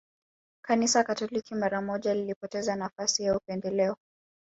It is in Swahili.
Kanisa Katoliki mara moja lilipoteza nafasi ya upendeleo